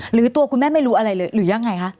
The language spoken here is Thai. หรือตัวคุณแม่ไม่รู้อะไรเลยหรือยังไงคะ